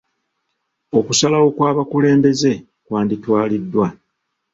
Okusalawo kw'abakulembeze kwanditwaliddwa.